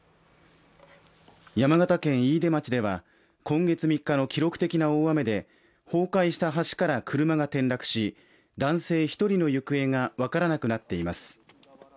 山形県飯豊町では今月３日の記録的な大雨で崩壊した橋から車が転落し男性１人の行方が分からなくなっています。